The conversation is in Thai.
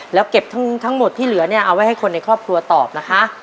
แล้วเก็บทั้งหมดที่เหลือเนี่ยเอาไว้ให้คนในครอบครัวตอบนะคะ